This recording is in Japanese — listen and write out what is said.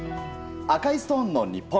赤いストーンの日本。